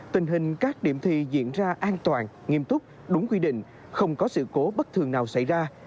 tình hình các điểm thi diễn ra an toàn nghiêm túc đúng quy định không có sự cố bất thường nào xảy ra